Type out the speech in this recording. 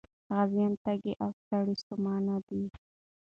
غازيان تږي او ستړي ستومانه دي.